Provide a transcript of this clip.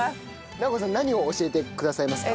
尚子さん何を教えてくださいますか？